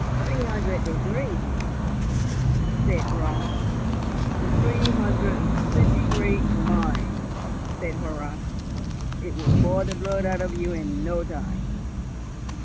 "Three hundred degrees!" said Raut. "Three hundred centigrade, mind!" said Horrocks. "It will boil the blood out of you in no time."